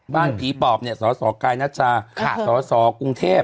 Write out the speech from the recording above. บ้านผีปอบเนี่ยสสกายนัชชาสสกรุงเทพ